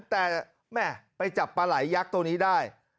แต่แม่ไปจับปลาไหลยักษ์ตัวนี้ได้